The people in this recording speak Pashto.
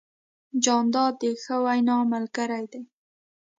جانداد د ښه وینا ملګری دی.